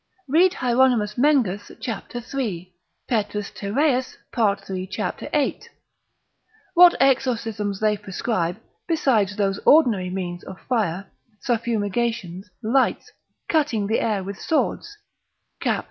Read Hieron. Mengus cap. 3. Pet. Tyreus, part. 3. cap. 8. What exorcisms they prescribe, besides those ordinary means of fire suffumigations, lights, cutting the air with swords, cap.